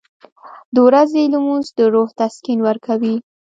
• د ورځې لمونځ د روح تسکین ورکوي.